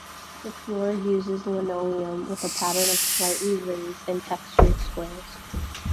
The floor uses linoleum with a pattern of slightly raised and textured squares.